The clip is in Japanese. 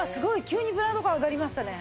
急にブランド感上がりましたね！